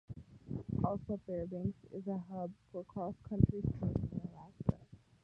Also, Fairbanks is a hub for cross-country skiing in Alaska.